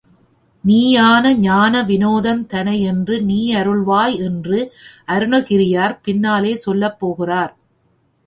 நீயான ஞான விநோதந் தனையென்று நீயருள்வாய் என்று அருணகிரியார் பின்னாலே சொல்லப் போகிறார்.